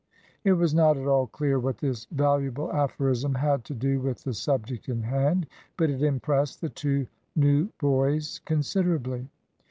It was not at all clear what this valuable aphorism had to do with the subject in hand, but it impressed the two new boys considerably.